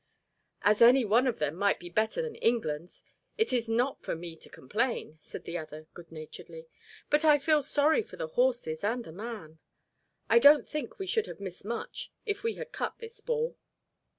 "As any one of them might be better than England's, it is not for me to complain," said the other, good naturedly. "But I feel sorry for the horses and the man. I don't think we should have missed much if we had cut this ball."